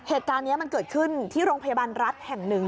เหตุการณ์นี้มันเกิดขึ้นที่โรงพยาบาลรัฐแห่งหนึ่ง